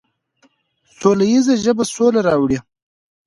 سوله ییزه ژبه سوله راوړي.